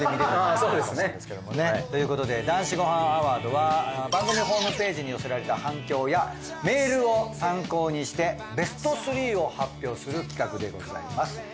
ああそうですね。ということで男子ごはんアワードは番組ホームページに寄せられた反響やメールを参考にしてベスト３を発表する企画でございます。